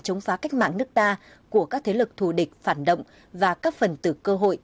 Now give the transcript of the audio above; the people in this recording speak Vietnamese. chống phá cách mạng nước ta của các thế lực thù địch phản động và các phần tử cơ hội